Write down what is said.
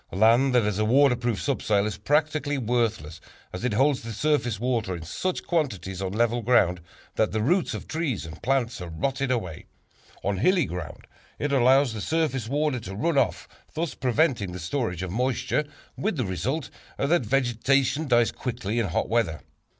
Land that has a waterproof subsoil is practically worthless, as it holds the surface water in such quantities on level ground, that the roots of trees and plants are rotted away; on hilly ground, it allows the surface water to run off, thus preventing the storage of moisture, with the result that vegetation dies quickly in hot weather.